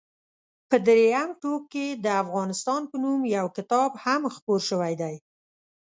په درېیم ټوک کې د افغانستان په نوم یو کتاب هم خپور شوی دی.